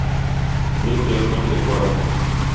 Мин Кояшка китеп барам!